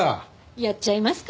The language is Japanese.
やっちゃいますか。